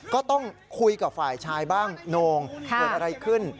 ก็ต้องคุยกับฝ่ายชายบ้างโน่งเกิดอะไรขึ้น